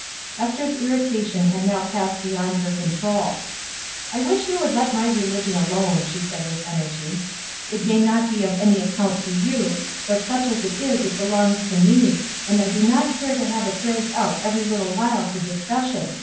Esther's irritation had now passed beyond her control. ''I wish you would let my reli gion alone," she said with energy. "It may SCRUPLES 91 not be of any account to you, but such as it is, it belongs to me, and I do not care to have it dragged out every little while for discussion.